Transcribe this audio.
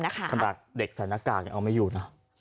ขนาดเด็กใส่หน้ากากยังเอาไม่อยู่นะ